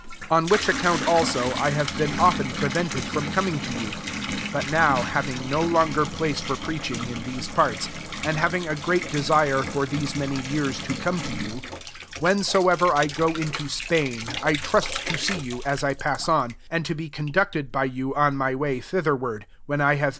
22 On which account alio, I have been often prevented from coming to you: 23 bot now, having no longer place for (^reaching, in these parts, and having a great desire, for these many years, to come to you ; 24 whensoever I go into Spain I trust to see |rou, as 1 pass on,' and to be conducted by you on my way thitherward, when I have.